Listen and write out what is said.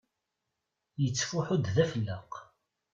Yettfuḥu-d d afelleq.